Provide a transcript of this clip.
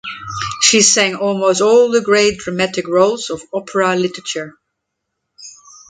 She sang almost all the great dramatic roles of opera literature.